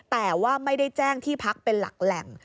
แต่ว่าไม่ได้แจ้งที่พักเป็นหลักแหล่ง